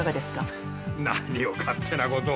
ははっ何を勝手なことを。